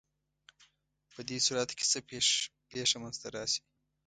په دې صورت کې څه پېښه منځ ته راشي؟